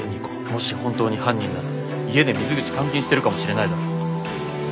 もし本当に犯人なら家で水口監禁してるかもしれないだろ。